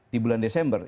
di bulan desember